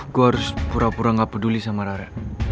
gue harus pura pura gak peduli sama rare